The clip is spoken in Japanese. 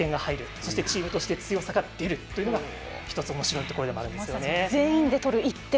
そしてチームとして強さが出るというのがおもしろいところでもあります。